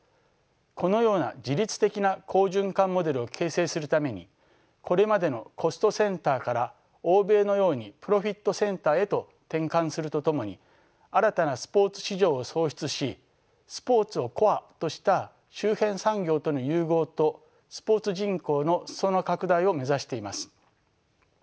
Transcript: このような自律的な好循環モデルを形成するためにこれまでのコストセンターから欧米のようにプロフィットセンターへと転換するとともに新たなスポーツ市場を創出しスポーツをコアとした周辺産業との融合とスポーツ人口の裾野拡大を目指しています。